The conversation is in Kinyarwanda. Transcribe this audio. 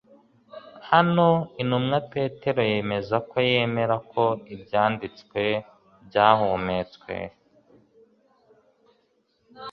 Hano intumwa Petero yemeza ko yemera ko Ibyanditswe 'byahumetswe